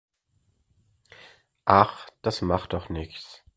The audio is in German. Ach, das macht doch nichts.